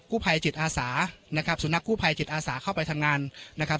ผู้ภัยจิตอาสานะครับสุนัขกู้ภัยจิตอาสาเข้าไปทำงานนะครับ